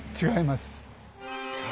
違います。